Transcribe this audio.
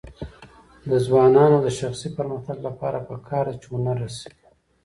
د ځوانانو د شخصي پرمختګ لپاره پکار ده چې هنر رسوي.